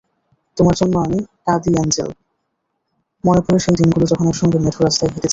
তোমার জন্য আমি কাঁদিঅ্যাঞ্জেল, মনে পড়ে সেই দিনগুলো যখন একসঙ্গে মেঠো রাস্তায় হেঁটেছি।